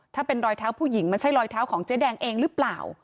ถ้าเป็นรอยเท้าผู้หญิงมันใช่รอยเท้าของเจ๊แดงเองหรือเปล่า